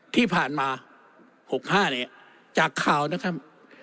ที่ผ่านมา๖๕เนี่ยจากข่าวนะครับ